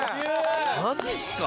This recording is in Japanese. マジっすか。